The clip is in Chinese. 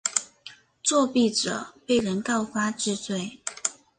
作弊者被人告发治罪。